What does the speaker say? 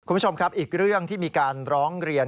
คุณผู้ชมครับอีกเรื่องที่มีการร้องเรียน